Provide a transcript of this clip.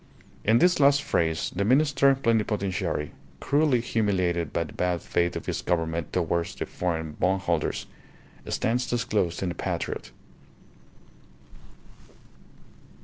In this last phrase the Minister Plenipotentiary, cruelly humiliated by the bad faith of his Government towards the foreign bondholders, stands disclosed in the patriot.